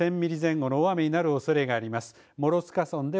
１０００ミリ前後の大雨になるおそれがあります。